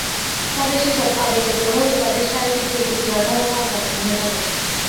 ফলে সেসব আবেগের প্রভাবে তাদের শারীরিক প্রতিক্রিয়ার ধরনও অন্য রকম হয়ে থাকে।